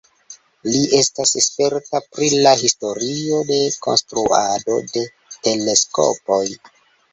Li estas sperta pri la historio de konstruado de teleskopoj.